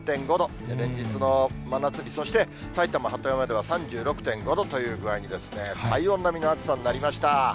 連日の真夏日、そして埼玉・鳩山では３６．５度という具合に、体温並みの暑さになりました。